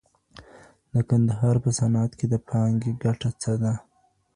د کندهارپه صنعت کي د پانګې ګټه څه ده؟